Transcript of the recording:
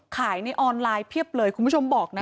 ในออนไลน์เพียบเลยคุณผู้ชมบอกนะ